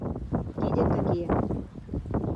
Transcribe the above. Тиде тыге.